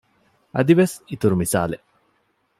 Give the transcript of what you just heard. އަދިވެސް އިތުރު މިސާލެއް